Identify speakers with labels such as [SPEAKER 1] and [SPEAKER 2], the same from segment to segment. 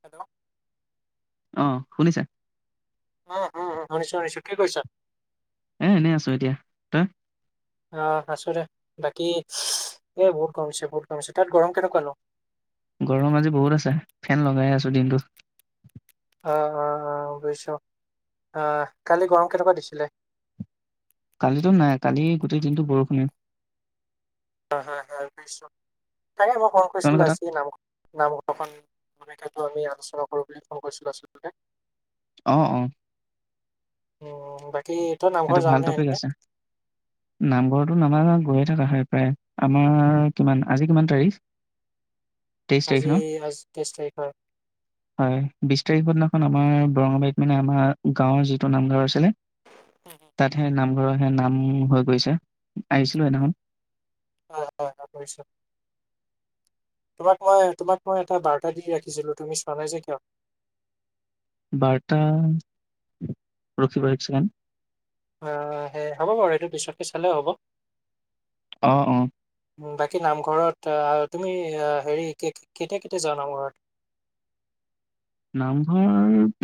[SPEAKER 1] Hello.
[SPEAKER 2] অ', শুনিছা?
[SPEAKER 1] উম, উম, শুনিছোঁ, শুনিছোঁ, কি কৰিছা?
[SPEAKER 2] এ এনেই আছোঁ এতিয়া, তই?
[SPEAKER 1] অ', আছোঁ দে, বাকী এ বহুত গৰম দিছে বহুত গৰম দিছে, তাত গৰম কেনেকুৱা নো?
[SPEAKER 2] গৰম আজি বহুত আছে, ফেন লগাই আছোঁ দিনটো।
[SPEAKER 1] অ', অ', অ', বুজিছোঁ অহ, কালি গৰম কেইটাৰ পৰা দিছিলে?
[SPEAKER 2] কালিটো নাই কালি গোটেই দিনটো বৰষুণে।
[SPEAKER 1] হা, হা, হা, পাইছোঁ। তাকে মই ফোন
[SPEAKER 2] তোমালোকৰ
[SPEAKER 1] কৰিছিলোঁ
[SPEAKER 2] তাত
[SPEAKER 1] আজি নাম নামঘৰখন ভূমিকটো আমি আলোচনা কৰোঁ বুলি ফোন কৰিছিলোঁ আচলতে।
[SPEAKER 2] অ', অ'।
[SPEAKER 1] উম, বাক
[SPEAKER 2] এইটো ভাল টপিক আছে, নামঘৰটো নামা গৈয়ে থকা হয় প্ৰায়, আমাৰ কিমান, আজি কিমান তাৰিখ? তেইশ তাৰিখ ন
[SPEAKER 1] আজি আজ তেইছ তাৰিখৰ।
[SPEAKER 2] হয় বিশ তাৰিখৰ দিনাখন আমাৰ বৰঙাবাৰীত মানে, আমাৰ গাঁৱৰ যিটো নামঘৰ আছিলে। তাত হে নাম- ঘৰ হে নাম হৈ গৈছে। আহিছিলো এদিখন।
[SPEAKER 1] হয় হয় হয় বুজিছো তোমাক মই, তোমাক মই এটা বাৰ্তা দি ৰাখিছিলো তুমি চোৱা নাই যে কিয়?
[SPEAKER 2] বাৰটা ৰখিব এক ছেকেণ্ড।
[SPEAKER 1] আহ সেই হ'ব বাৰু এইটো পিছতকে চালেও হ'ব।
[SPEAKER 2] অ' অ'।
[SPEAKER 1] বাকী নামঘৰত তুমি হেৰি কেতিয়া, কেতিয়া যোৱা নামঘৰত?
[SPEAKER 2] নামঘৰ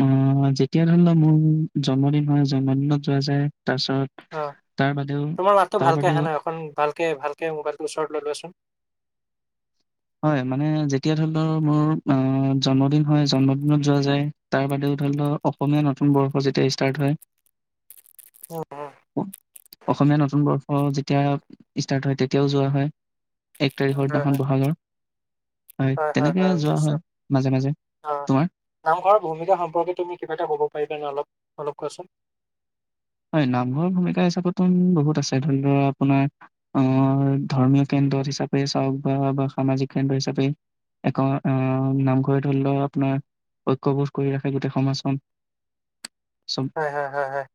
[SPEAKER 2] আহ' যেতিয়া ধৰি লও মোৰ জন্মদিন হয়, জন্মদিনত যোৱা যায়। তাৰপিছত
[SPEAKER 1] অ',
[SPEAKER 2] তাৰ বাদেও
[SPEAKER 1] তোমাৰ মাতো
[SPEAKER 2] তাৰ
[SPEAKER 1] ভালকে
[SPEAKER 2] বাদেও
[SPEAKER 1] আহে নহ অখন ভালকে, ভালকে মোবাইলটোৰ ওচৰত লৈ লোৱাচোন।
[SPEAKER 2] হয় মানে যেতিয়া ধৰি লওক মোৰ জন্মদিন হয়। জন্মদিনত যোৱা যায়। তাৰ বাদেও ধৰি লওক, অসমীয়া নতুন বৰ্ষ যেতিয়া ষ্টাৰ্ট হয়।
[SPEAKER 1] উম উম
[SPEAKER 2] অসমীয়া নতুন বৰ্ষ যেতিয়া ষ্টাৰ্ট হয় তেতিয়াও যোৱা হয়। এক
[SPEAKER 1] হয়
[SPEAKER 2] তাৰিখৰ
[SPEAKER 1] হয়
[SPEAKER 2] দিনাখন, বহাগৰ।
[SPEAKER 1] হয়, হয়,
[SPEAKER 2] তেনেকে
[SPEAKER 1] হয়
[SPEAKER 2] যোৱা
[SPEAKER 1] নিশ্চয়
[SPEAKER 2] মাজে মাজে।
[SPEAKER 1] অ'
[SPEAKER 2] তোমাৰ
[SPEAKER 1] নামঘৰৰ ভূমিকা সম্পৰ্কে তুমি কিবা এটা কব পাৰিবানে অলপ? অলপ কোৱাচোন।
[SPEAKER 2] হয় নামঘৰ ভূমিকা হিচাপতো বহুত আছে। ধৰি লওৱা আপোনাৰ আহ ধৰ্মীয় কেন্দ্ৰ হিচাপে চাওক বা বা সামাজিক কেন্দ্ৰ হিচাপে এক। আহ' নামঘৰে ধৰি লও আপোনাৰ ঐক্যবোধ কৰি ৰাখে গোটেই সমাজখন। চব
[SPEAKER 1] হয়' হ' হ' হ'।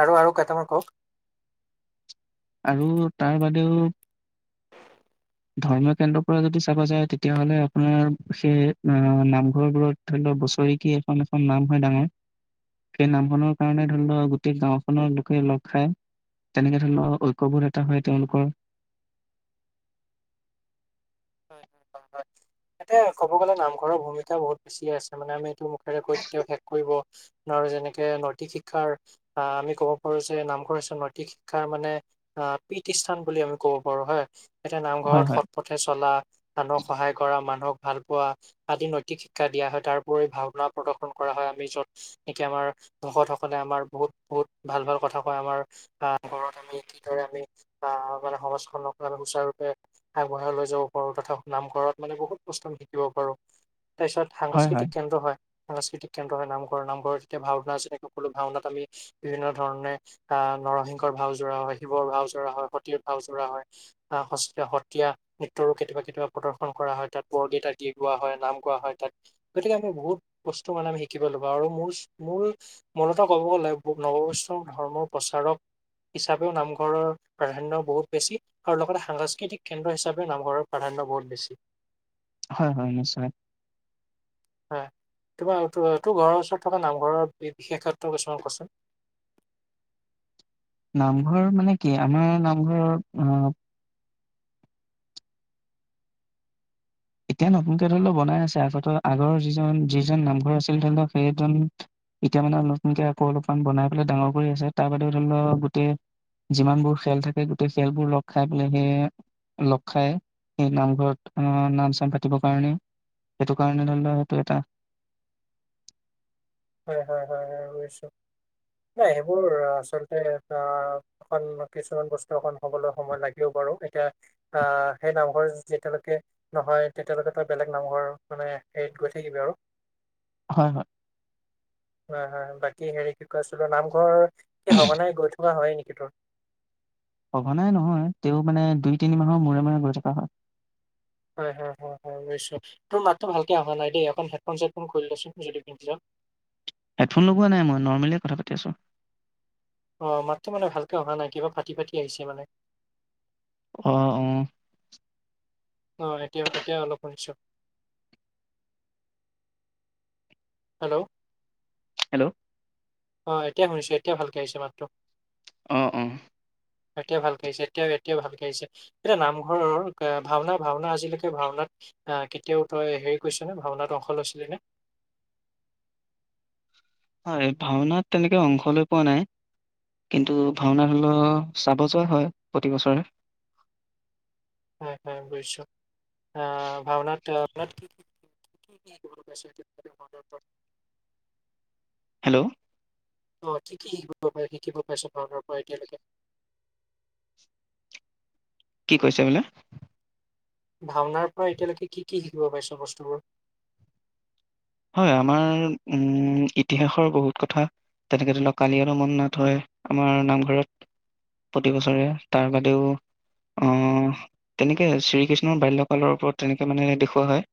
[SPEAKER 1] আৰু আৰু কেইটামান কওক।
[SPEAKER 2] আৰু তাৰ বাদেও ধৰ্মীয় কেন্দ্ৰৰ পৰা যদি চাবা যায়, তেতিয়াাহলে আপোনাৰ সেই নামঘৰবোৰত ধৰি লও বছৰিক এখন এখন নাম হয়। ডাঙৰ সেই নামখনৰ কাৰণে ধৰি লও গোটেই গাওখনৰ লোকে লগ খাই তেনেকে ধৰি লওক- ঐক্যবোৰ এটা হয় তেওঁলোকৰ।
[SPEAKER 1] হয়, এয়া কব গলে নামঘৰৰ ভূমিকা বহুত বেছি আছে। মানে আমি এইটো মুখেৰে গৈ কেতিয়াও শেষ কৰিব যেনেকে নৈতিক শিক্ষাৰ আহ' আমি কব পাৰো যে নামঘৰ নৈতিক শিক্ষাৰ মানে আহ পীঠ সান বুলি আমি কব পাৰো হয়। এতিয়া
[SPEAKER 2] হয়
[SPEAKER 1] নামঘৰত
[SPEAKER 2] হয়
[SPEAKER 1] সৎ পথে চলা- আনক সহায় কৰা। মানুহক ভাল পোৱা আদি নৈতিক শিক্ষা দিয়া হয় তাৰ উপৰি ভাওনা প্ৰদৰ্শন কৰা হয় আমি য'ত নেকি আমাৰ ভকতসকলে আমাৰ বহুত বহুত ভাল ভাল কথা কয় আমাৰ আহ ঘৰত আমি কিদৰে আমি আহ মানে সমাজখনক আমি সুচাৰুৰূপে আগবঢ়াই লৈ যাওঁ। কৰো তথাুনাম কৰাৰত মানে বহুত বস্তু আমি শিকিব পাৰো। তাৰপিছত সাংস্কৃতিক কেন্দ্ৰ হয়। সাংস্কৃতিক কেন্দ্ৰ হয়। নামঘৰ, নামঘৰত তেতিয়া ভাওনা যেনেক, সকলো ভাওনাত আমি বিভিন্ন ধৰণে আহ' নৰসিংহৰ ভাও জোৰা হয়, শিৱৰ ভাও জোৰা হয়, সতীৰ ভাও জোৰা হয়, আহ' সতীয়া- টো কেতিয়াবা, কেতিয়াবা প্ৰদৰ্শন কৰা হয়। তাত বৰগেইটাা দি গোৱা হয় নাম গোৱা হয় তাত। গতিকে আমি বহুত বস্তু মানে, আমি শিকিব লা আৰু ম মূল মূলতঃ ক'ব গ'লে নৱ বৈষ্ণৱ ধৰ্মৰ প্ৰচাৰক হিচাপেও নামঘৰৰ প্ৰাধানয় বহুত বেছি আৰু লগতে সাংস্কৃতিক কেন্দ্ৰ হিচাপে নামঘৰৰ প্ৰাধান্য বহুত বছি।
[SPEAKER 2] হয় হয় নিশ্চয়।
[SPEAKER 1] হয়, তোমাৰ তোৰ ঘৰৰ ওচৰত থকা নামঘৰৰ বিশেষত কিছুমান কচোন।
[SPEAKER 2] নামঘৰ মানে কি? আমাৰ নামঘৰ আহ এতিয়া নতুনকে ধৰি লও বনাই আছে আগত আগৰৰ যিজন যিজন নামঘৰ আছিল। ধৰি লওক সেইজন এতিয়া মানে নতুনকে আকৌ অলপমান বনাই পেলাই ডাঙৰ কৰি আছে। তাৰ বাদে ধৰি লও গোটেই যিমানবোৰ খেল থাকে গোটেই খেলবোৰ লগ খাই পেলাই সেই লগ খাই সেই নামঘৰত, আহ'নাম পাতিব কাৰণে সেইটো কাৰণে। ল লোৱা সেইটো এটা
[SPEAKER 1] হয়, হয়, হয়, হয়ছো নাই সেইবোৰ আচলতে আহ অন কিছুমান বস্তু অক হবলৈ সময় লাগিবও বাৰু। এতিয়া আহ' সেই নামঘৰ যেতিয়ালৈকে নহয় তেতিয়ালৈকে তই বেলেগ নামঘৰ মানে হেৰিত গৈ থাকিবি আৰু
[SPEAKER 2] হয়, হয়।
[SPEAKER 1] হয়, হয় বাকী হেৰি কি কৈ আছিলো, নামঘৰ [unintelligible] সঘনাই গৈ [unintelligible] হয় নেকি তোৰ?
[SPEAKER 2] সঘনাই নহয়, তেওঁ মানে দুই তিনি মাহৰ মূৰে মূৰে গৈ থকা হয়।
[SPEAKER 1] হয়, হয়, হয়, হয় বুজিছোঁ। তোৰ মাতটো ভালকে অহা নাই দেই, অকন হেডফোন চেডফোন খুলি ল'চোন যদি পিন্ধিছ।
[SPEAKER 2] হেডফোন লগোৱা নাই মই, নৰ্মেলিয়ে কথা পাতি আছোঁ।
[SPEAKER 1] অ', মাতটো মানে ভালকে অহা নাই, কিবা ফাটি ফাটি আহিছে মানে।
[SPEAKER 2] অ', অ'।
[SPEAKER 1] অ', এতিয়া-এতিয়া অলপ শুনিছোঁ। হেল্ল'?
[SPEAKER 2] হেল্ল'।
[SPEAKER 1] অ', এতিয়াই শুনিছো। এতিয়া ভালকে আহিছে মাতটো।
[SPEAKER 2] অ', অ'।
[SPEAKER 1] এতিয়া ভালকে আহিছে, এতিয়াও এতিয়া ভালকে আহিছে। এতিয়া নামঘৰৰ ভাওনা ভাওনা আজিলৈকে ভাওনাত আহ, কেতিয়াও তই হেৰি কৰিছ নে ভাওনাত অংশ লৈছিলি নে?
[SPEAKER 2] হয়, ভাওনাত তেনেকৈ অংশ লৈ পোৱা নাই, কিন্তু ভাওনাত হলেও চাব যোৱা হয় প্ৰতিবছৰে।
[SPEAKER 1] হয় হয়, বুজিছোঁ, আ, ভাওনাত [unintelligible]
[SPEAKER 2] হেল্ল'?
[SPEAKER 1] অ', কি কি শিকিব পাৰে, শিকিব পাইছ ভাওনাৰ পৰা এতিয়ালৈকে?
[SPEAKER 2] কি কৈছ [unintelligible]
[SPEAKER 1] ভাওনাৰ পৰা এতিয়ালৈকে কি কি শিকিব পাইছ বস্তুবোৰ?
[SPEAKER 2] হয়, আমাৰ উম, ইতিহাসৰ বহুত কথা তেনেকে ধৰি লওক কালিয় দমন নাট হয় আমাৰ নামঘৰত, প্ৰতিবছৰে। তাৰ বাদেও অ', তেনেকে শ্ৰীকৃষ্ণৰ বাল্যকালৰ ওপৰত তেনেকে মানে দেখুওৱা হয়।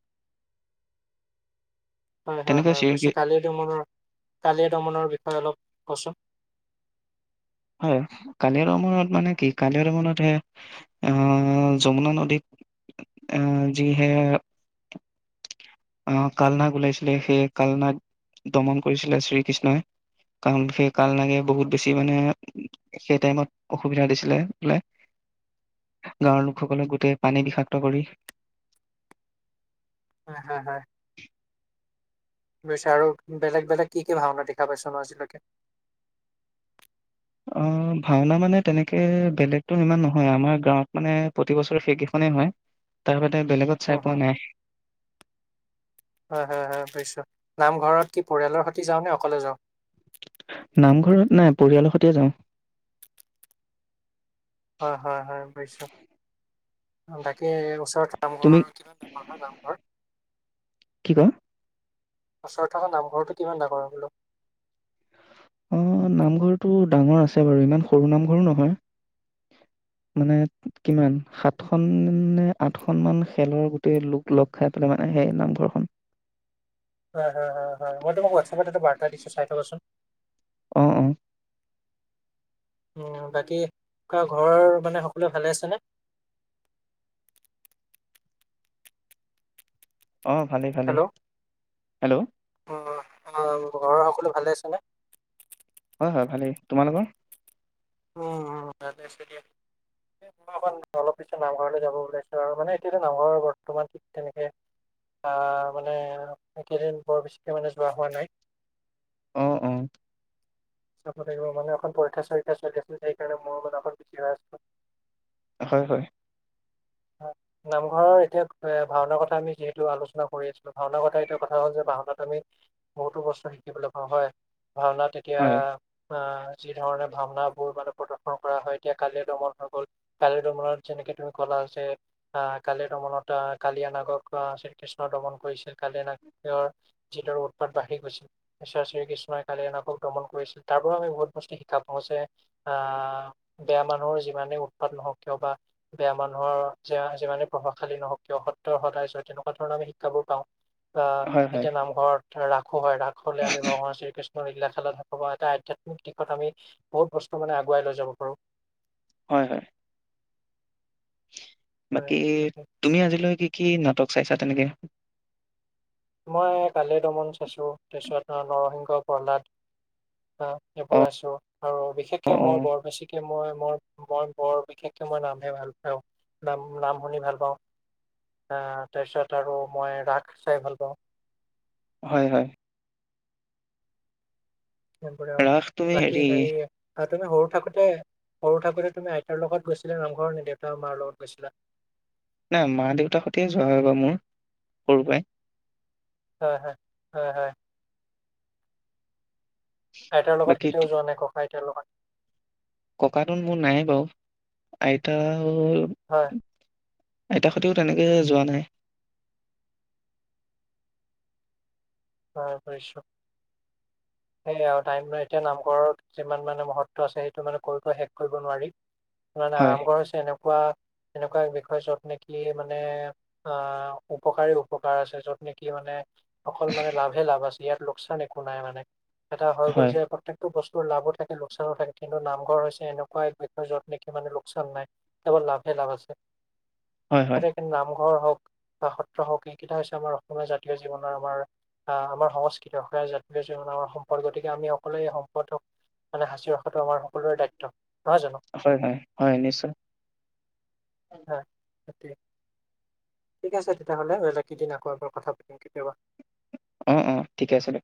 [SPEAKER 1] হয় হয়
[SPEAKER 2] তেনেকে
[SPEAKER 1] হয়,
[SPEAKER 2] শ্ৰী
[SPEAKER 1] বুজিছোঁ। কালিয় দমনৰ, কালিয় দমনৰ বিষয় অলপ কচোন।
[SPEAKER 2] হয়, কালিয় দমনত মানে কি, কালিয় দমনতহে আহ, যমুনা নদীত এ, যিহে আ, কালনাগ ওলাইছিলে সেই কালনাগ দমন কৰিছিলে শ্ৰী কৃষ্ণই। কাৰণ সেই কালনাগে বহুত বেছি মানে সেই টাইমত অসুবিধা দিছিলে বোলে, গাঁৱৰ লোকসকলে গোটেই পানী বিষাক্ত কৰি
[SPEAKER 1] হয় হয় হয়। বুইছো আৰু বেলেগ বেলেগ কি কি ভাওঁনা দেখা পাইছ ন আজিলৈকে?
[SPEAKER 2] অ', ভাওনা মানে তেনেকে বেলেগতো ইমান নহয়, আমাৰ গাঁৱত মানে প্ৰতি বছৰে সেইকেইখনেই হয়। তাৰ বেলেগত
[SPEAKER 1] উম,
[SPEAKER 2] চাই
[SPEAKER 1] উম,
[SPEAKER 2] পোৱা
[SPEAKER 1] হম
[SPEAKER 2] নাই,
[SPEAKER 1] হয় হয়, বুজিছোঁ। নামঘৰত কি পৰিয়ালৰ সৈতে যাওঁনে অকলে যাওঁ?
[SPEAKER 2] নামঘৰত নাই, পৰিয়ালৰ সৈতেই যাওঁ।
[SPEAKER 1] হয় হয় হয়, বুজিছোঁ। বাকী ওচৰত
[SPEAKER 2] তুমি
[SPEAKER 1] নামঘৰ, কিমান ডাঙৰ হয় নামঘৰ?
[SPEAKER 2] কি কোৱা
[SPEAKER 1] ওচৰত থকা নামঘৰটো কিমান ডাঙৰ হয় বোলো?
[SPEAKER 2] অ', নামঘৰটো ডাঙৰ আছে বাৰু ইমান সৰু নামঘৰো নহয়। মানে কিমান, সাতখন নে আঠখনমান খেলৰ গোটেই লোক লগ খাই পেলাই মানে সেই নামঘৰখন।
[SPEAKER 1] হয় হয় হয় হয়, মই তোমাক হোৱাটছএপত এটা বাৰ্তা দিছোঁ, চাই থকাচোন।
[SPEAKER 2] অ', অ'।
[SPEAKER 1] উম, বাকী ঘৰ, মানে সকলোৱে ভালে আছেনে?
[SPEAKER 2] অ', ভালেই ভালেই।
[SPEAKER 1] Hello
[SPEAKER 2] hello.
[SPEAKER 1] অ', অ', ঘৰৰ সকলো ভালে আছেনে?
[SPEAKER 2] হয় হয়, ভালেই, তোমালোকৰ?
[SPEAKER 1] উম, অলপ পিছত নামঘৰলৈ যাব ওলাইছোঁ আৰু মানে এতিয়ালৈ নামঘৰ বৰ্তমান ঠিক তেনেকে অহ, মানে কেইদিন বৰ বেছিকে মানে যোৱা হোৱা নাই।
[SPEAKER 2] অ', অ'।
[SPEAKER 1] চাব লাগিব। মানে এখন পৰীক্ষা চলি। গ সেইকাৰণে ম মখৰ বছি হৈ আছে।
[SPEAKER 2] হয়, হয়।
[SPEAKER 1] নামঘৰৰ এতিয়া ভাওনাৰ কথা আমি যিহেতু আলোচনা কৰি আছিলো। ভাওনা কথা এতিয়া কথা হ'ল যে ভাওনাত আমি বহুতো বস্তু শিকিবলৈ পাওঁ হয়। ভাওনা, তেতিয়া।
[SPEAKER 2] হয়,
[SPEAKER 1] অ যি ধৰণে ভাওনা বোৰ মানে প্ৰদৰ্শন কৰা হয় এতিয়া কালিৰ দমন হৈ গ'ল। কালিৰ দমলত যেনেকে তুমি ক'লা আহ। কালিয় দমনত আহ কালিয়নাগক আহ শ্ৰীকৃষ্ণৰ দমন কৰিছিল। কালিয়া নাগক যিদৰে উৎপাত বাঢ়ি গৈছিল ইশ্বৰ শ্ৰীকৃষ্ণই কলীয়া নাগক দমন কৰিছিল। তাৰ পৰা আমি বহুত বস্তু শিকিব পাওঁ যে। আহ বেয়া মানুহৰ যিমানেই উৎপাত নহওক কিয় বা বেয়া মানুহৰ। যে যিমানে প্ৰভাৱশালী নহওক কিয়। সত্যৰ সদায় জয়। তেনেকুৱা ধৰণৰ আমি শিক্ষাবোৰ পাওঁ। আহ,
[SPEAKER 2] হয় হয়,
[SPEAKER 1] এতিয়া নামঘৰত ৰাস। ও হয়। ৰাস হলে আমি ভগৱান শ্ৰীকৃষ্ণ। ও এইগিলা খেলত এটা আধ্যাত্মিক দিশত আমি বহুত বস্তু মানে আগুৱাই লৈ যাব পাৰো।
[SPEAKER 2] হয়, হয়।
[SPEAKER 1] হয়
[SPEAKER 2] বাকী
[SPEAKER 1] তাকে।
[SPEAKER 2] তুমি আজিলৈ কি, কি নাটক। চাইছা তেনেকে।
[SPEAKER 1] মই কালিয় দমন চাইছো। তাৰপিছত নৰসিংহ প্ৰহ্লাদ। অ এইবোৰ
[SPEAKER 2] অ',
[SPEAKER 1] আছো। আৰু বিশেষকে
[SPEAKER 2] অ', অ'।
[SPEAKER 1] মই বৰ বেছিকে মই। মই মই বৰ বিশেষকৈ মই নামহে ভাল পাওঁ। নাম নাম শুনি ভাল পাওঁ। তাৰপিছত আৰু মই ৰাস চাই ভাল পাওঁ।
[SPEAKER 2] হয়, হয়।
[SPEAKER 1] এনেৰে আৰু
[SPEAKER 2] ৰাস তুমি
[SPEAKER 1] বাকী হেৰি আৰু তেনে সৰু। থাকোতে সৰু থাকোতে তুমি আইতাৰ লগত গৈছিলা নামঘৰ নে দেউতা মাৰ লগত গৈছিলা।
[SPEAKER 2] নাই। মা দেউতাৰ সৈতে যোৱা হয় ব মোৰ। সৰু পৰাই।
[SPEAKER 1] হয়, হয়, হয়, হয়। আইতাৰ লগত
[SPEAKER 2] বাকী
[SPEAKER 1] কেতিয়াও যোৱা নাই ককাই। তেওঁলোকে হয়।
[SPEAKER 2] ককাটোন মোৰ নাই এ বাৰু। আইতা,,,,,,, হল।
[SPEAKER 1] হয়।
[SPEAKER 2] আইতা সৈতেও তেনেকে যোৱা নাই।
[SPEAKER 1] হৈ পাইছো। সেই আৰু তাইম নাই এতিয়া নামঘৰত যিমান মানে মহত্ব আছে সেইটো মানে কৈ, কৈ শেষ কৰিব নোৱাৰি। নাই, নাই
[SPEAKER 2] হয়,
[SPEAKER 1] নামঘৰ হৈছে এনেকোৱা। কোৱা। এনেকুৱা এক বিষয় য'ত নেকি মানে আহ উপকাৰী উপকাৰ আছে য'ত নেকি মানে। অকল মানে। লাভ আছে ইয়াত লোকচান একো নাই মানে। এটা হৈ গ'ল
[SPEAKER 2] হয়,
[SPEAKER 1] যে প্ৰত্যেকটো বস্তু। লাভো থাকে লোকচানো থাকে কিন্তু নামঘৰ হৈছে এনেকুৱা এক বিষয় যত নেকি মানে লোকচান নাই কেৱল লাভহে লাভ আছে।
[SPEAKER 2] হয়, হয়,
[SPEAKER 1] তাতে কি নাম। ঘৰ হওঁক বা সত্ৰ হওঁক এইকেইটা হৈছে আমাৰ অসমীয়া জাতীয় জীৱনৰ আমাৰ। আহ। আমাৰ সংস্কৃতি অসম জাতীয় জীৱনৰ আমাৰ সম্পদ গতিকে আমি সকলোৱে এই সম্পদক মানে সাঁচি ৰখাটো আমাৰ সকলোৰে দায়িত্ব। নহয় জানো?
[SPEAKER 2] হয়, হয়, হয় নিশ্চয়।
[SPEAKER 1] হয় ঠিক আছে, তেতিয়া হ'লে বেলেগ কেইদিন আকৌ এবাৰ কথা পাতিম কেতিয়াবা।
[SPEAKER 2] উম, উম, ঠিকে আছে দে।